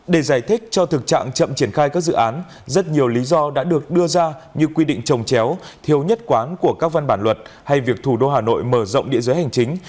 để giải thích cho thực trạng chậm triển khai các dự án rất nhiều lý do đã được đưa ra như quy định trồng chéo thiếu nhất quán của các văn bản luật hay việc thủ đô hà nội mở rộng địa giới hành chính